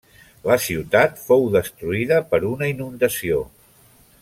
La ciutat fou destruïda per una inundació.